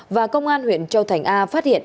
và công an huyện châu thành a phát hiện